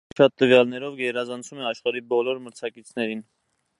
Այն իր շատ տվյալներով գերազանցում է աշխարհի բոլոր մրցակիցներին։